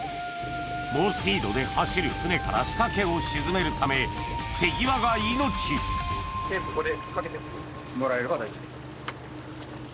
猛スピードで走る船から仕掛けを沈めるためここでかけてもらえれば大丈夫です。